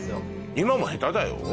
今も下手だよ。